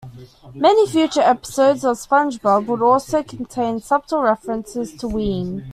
Many future episodes of SpongeBob would also contain subtle references to Ween.